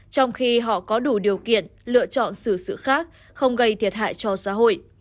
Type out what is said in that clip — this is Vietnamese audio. trong khi họ có đủ điều kiện lựa chọn xử sự khác không gây thiệt hại cho xã hội